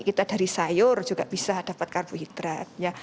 kita dari sayur juga bisa dapat karbohidrat